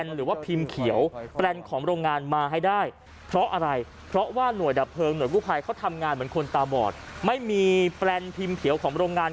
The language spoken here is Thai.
โหนดกู้ภัยเขาทำงานเหมือนคนตาบ่อนไม่มีแปลนพิมพ์เขียวของโรงงาน